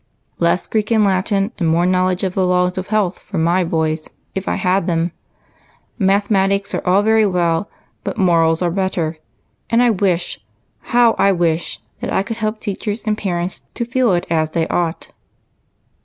Less Greek and Latin and more knowledge of the laws of health for my boys, if I had them. Mathematics are all very well, but morals are better, and I wish, hoiv, I wish that I could help teachers and parents to feel it as they ought."